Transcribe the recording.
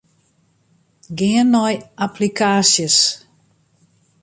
Gean nei applikaasjes.